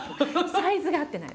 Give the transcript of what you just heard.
サイズが合ってないの。